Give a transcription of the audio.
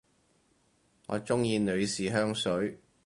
我鍾意女士香水